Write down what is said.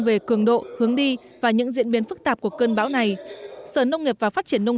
về cường độ hướng đi và những diễn biến phức tạp của cơn bão này sở nông nghiệp và phát triển nông